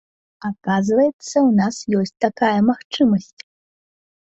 Аказваецца, у нас ёсць такая магчымасць!